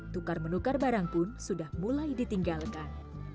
tukar menukar barang pun sudah mulai ditinggalkan